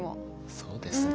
そうですね。